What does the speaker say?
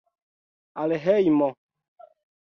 Al hejmo!